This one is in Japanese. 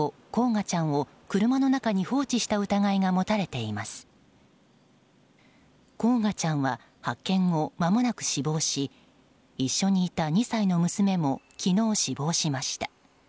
煌翔ちゃんは発見後まもなく死亡し一緒にいた２歳の娘も昨日、死亡しました。